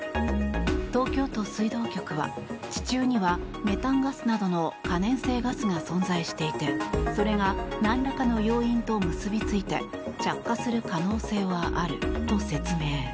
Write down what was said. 東京都水道局は地中にはメタンガスなどの可燃性ガスが存在していてそれがなんらかの要因と結びついて着火する可能性はあると説明。